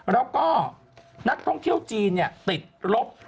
แล้วก็นักท่องเที่ยวจีนติดลบ